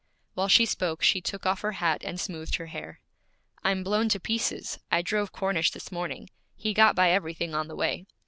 While she spoke she took off her hat and smoothed her hair. 'I'm blown to pieces. I drove Cornish this morning; he got by everything on the way.